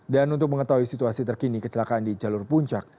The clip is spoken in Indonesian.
dan untuk mengetahui situasi terkini kecelakaan di jalur puncak